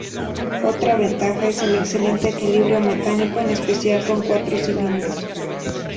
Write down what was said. Otra ventaja es el excelente equilibrio mecánico, en especial con cuatro cilindros.